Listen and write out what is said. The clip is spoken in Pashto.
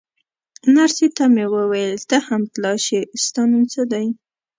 نرسې ته مې وویل: ته هم تلای شې، ستا نوم څه دی؟